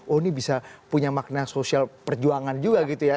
oh ini bisa punya makna sosial perjuangan juga gitu ya